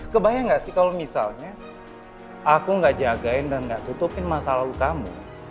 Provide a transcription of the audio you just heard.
kebayang gak sih kalau misalnya aku gak jagain dan gak tutupin masa lalu kamu